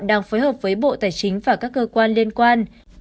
đang phối hợp với bộ tài chính và các cơ quan liên quan